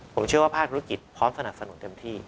ผมเชื่อว่าภาคธุรกิจพร้อมสนับสนุนเต็มที่